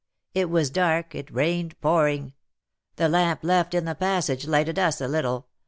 It was dark, it rained pouring; the lamp left in the passage lighted us a little.